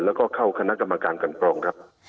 แล้วก็เข้าคณะกรรมการกันกรองครับ